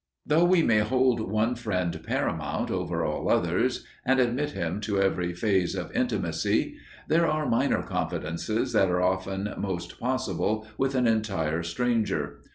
Though we may hold one friend paramount over all others, and admit him to every phase of intimacy, there are minor confidences that are often most possible with an entire stranger.